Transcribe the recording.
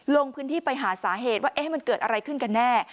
ลงพื้นที่ไปหาสาเหตุว่ามันเกิดอะไรขึ้นกันแน่